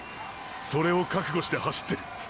それを覚悟して走ってる！！